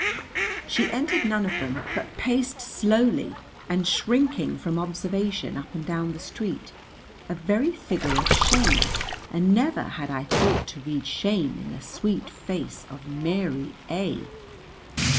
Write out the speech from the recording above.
She entered none of them, but paced slowly and shrinking from observation up and down the street, a very figure of shame; and never had I thought to read shame in the sweet face of Mary A